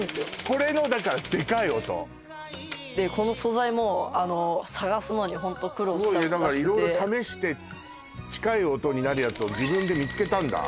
これのだからでかい音でこの素材も探すのにホント苦労したらしくてすごいね色々試して近い音になるやつを自分で見つけたんだ